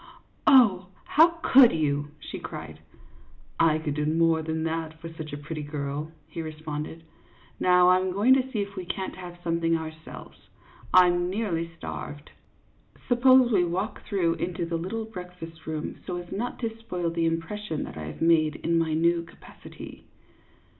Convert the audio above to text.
" Oh, how could you ?" she cried. " I could do more than that for such a pretty girl," he responded. " Now I 'm going to see if we can't have something ourselves. I 'm nearly starved. Suppose we walk through into the little breakfast room, so as not to spoil the impression that I have made in my new capacity."